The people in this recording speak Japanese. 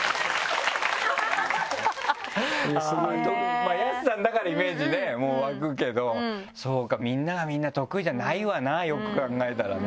まぁＹＡＳＵさんだからイメージ湧くけどそうかみんながみんな得意じゃないわなよく考えたらね。